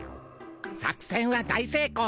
作せんは大せいこう！